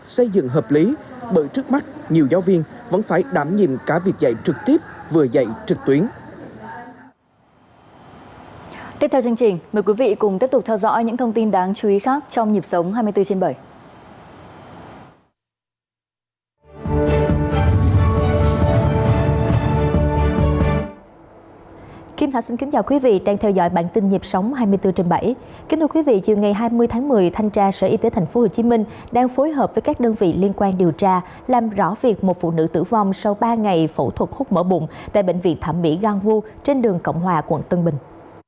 sau ba ngày phẫu thuật hút mở bụng tại bệnh viện thẩm mỹ gwangwoo trên đường cộng hòa quận tân bình